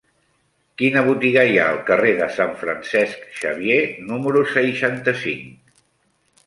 Quina botiga hi ha al carrer de Sant Francesc Xavier número seixanta-cinc?